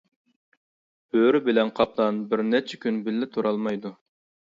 بۆرە بىلەن قاپلان بىر نەچچە كۈن بىللە تۇرالمايدۇ.